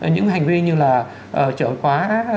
những hành vi như là trở quá